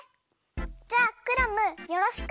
じゃクラムよろしく。